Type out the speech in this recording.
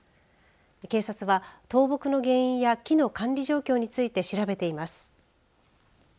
警察は倒木の原因や木の管理状況について調べています。